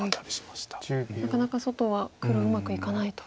なかなか外は黒うまくいかないと。